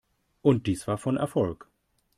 Und dies war von Erfolg.